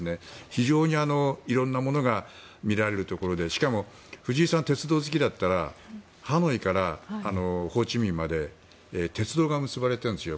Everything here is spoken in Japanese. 非常に色んなものが見られるところでしかも藤井さん、鉄道好きだったらハノイからホーチミンまで鉄道が結ばれてるんですよ。